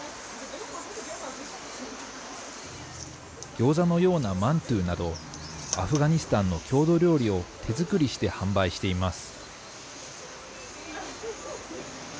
ギョーザのようなマントゥなど、アフガニスタンの郷土料理を手作りして販売しています。